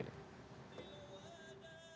kader kader yang mendukung pak jokowi